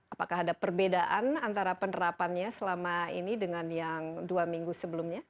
apakah ada perbedaan antara penerapannya selama ini dengan yang dua minggu sebelumnya